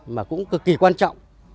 mà cũng cực kỳ quan trọng